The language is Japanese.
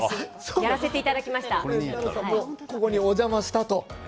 やらせていただきました。